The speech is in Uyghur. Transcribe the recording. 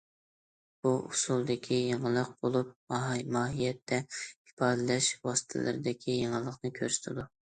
بۇ ئۇسسۇلدىكى يېڭىلىق بولۇپ، ماھىيەتتە، ئىپادىلەش ۋاسىتىلىرىدىكى يېڭىلىقنى كۆرسىتىدۇ.